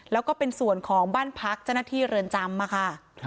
แล้วก็เป็นส่วนของบ้านพักจเรือนจำ